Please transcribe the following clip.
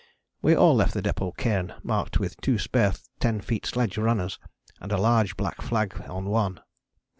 We all left the depôt cairn marked with two spare 10 feet sledge runners and a large black flag on one.